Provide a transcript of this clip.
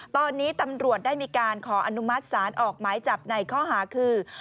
ตอนนี้ตำรวจได้มีการขออนุมัติศาลออกหมายจับในข้อหาคือ